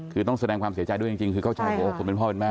คือต้องแสดงความเสียใจด้วยจริงคือเข้าใจผมเป็นพ่อเป็นมากเลย